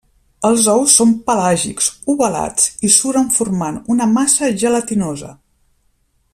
Els ous són pelàgics, ovalats i suren formant una massa gelatinosa.